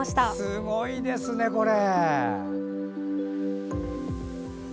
すごいですね、これ。